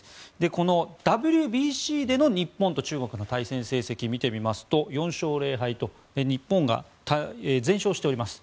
このＷＢＣでの日本と中国の対戦成績を見てみますと４勝０敗と日本が全勝しております。